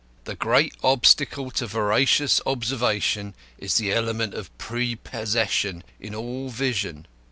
The great obstacle to veracious observation is the element of prepossession in all vision.